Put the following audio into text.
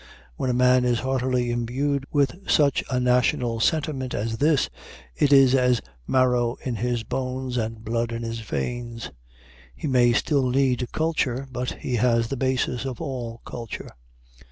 When a man is heartily imbued with such a national sentiment as this, it is as marrow in his bones and blood in his veins. He may still need culture, but he has the basis of all culture.